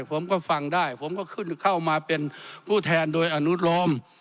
ผมก็ฟังได้ผมก็ขึ้นเข้ามาเป็นผู้แทนโดยอนุโลม